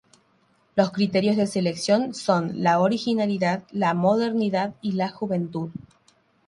Los criterios de selección son la originalidad, la modernidad y la juventud.